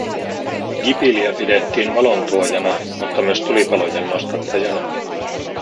Gibiliä pidettiin valon tuojana, mutta myös tulipalojen nostattajana